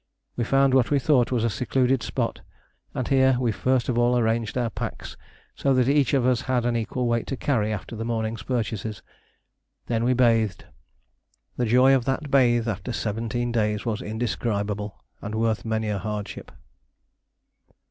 We found what we thought was a secluded spot, and here we first of all arranged our packs so that each of us had an equal weight to carry after the morning's purchases. Then we bathed. The joy of that bathe after seventeen days was indescribable, and worth many a hardship.